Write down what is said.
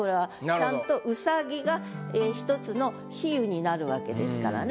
ちゃんと「うさぎ」が一つの比喩になるわけですからね。